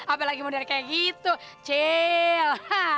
apalagi muda kayak gitu cil